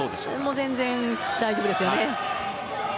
全然大丈夫ですよね。